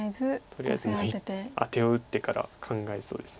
とりあえずアテを打ってから考えそうです。